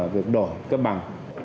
việc đổi cấp bằng